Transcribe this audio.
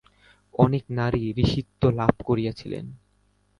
অনেক নারী ঋষিত্ব লাভ করিয়াছিলেন।